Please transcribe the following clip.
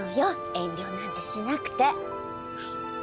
遠慮なんてしなくて。